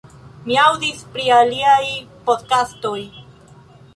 Mi aŭdis pri liaj podkastoj